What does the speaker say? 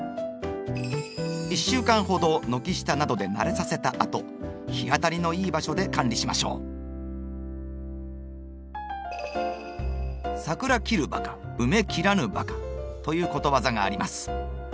１週間ほど軒下などで慣れさせたあと日当たりの良い場所で管理しましょう。ということわざがあります。